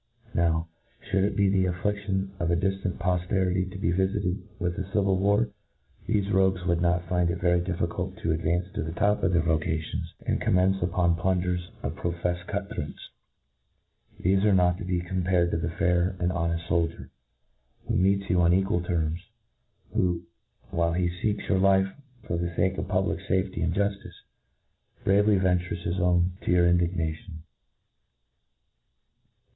Now, fliould it be the affliaion of a diftant pofterity to be vifited with a civil war, thefe rogues would not find it very difficult to advance to the top 'of their vo cations, and commence open plunderers and pro feffed cut throats. They are not to be compared to the fair and honeft foldier, who meets you on equal terms, who, while he feeks your life for the fake of public fafcty and juflice, bravely ventures his own to your indignation.